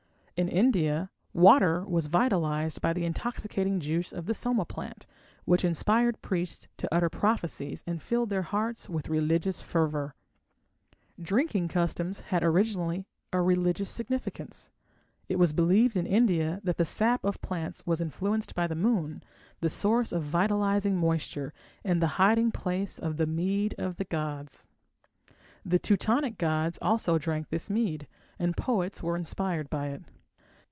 In India, water was vitalized by the intoxicating juice of the Soma plant, which inspired priests to utter prophecies and filled their hearts with religious fervour. Drinking customs had originally a religious significance. It was believed in India that the sap of plants was influenced by the moon, the source of vitalizing moisture and the hiding place of the mead of the gods. The Teutonic gods also drank this mead, and poets were inspired by it.